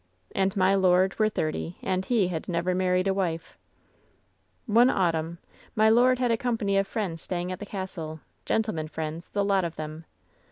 And my lord were thirty, and he had never married a wife. "Ane autumn my lord had a company of friends stay ing at the castle — gentlemen friends, the lot of them.